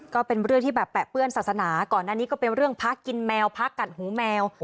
ก็เป็นเรื่องที่แบบแปะเปื้อนศาสนาก่อนอันนี้ก็เป็นเรื่องพักกินแมวพักกัดหูแมว